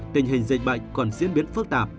tình hình dịch bệnh còn diễn biến phức tạp